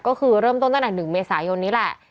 ก็คือเริ่มต้นตั้งแต่๑เมษายนนี้แหละ